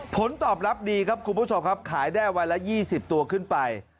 ผลตอบรับดีครับคุณผู้ชมครับขายได้วันละ๒๐ตัวขึ้นไป